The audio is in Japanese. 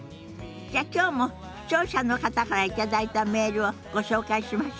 じゃきょうも視聴者の方から頂いたメールをご紹介しましょうか。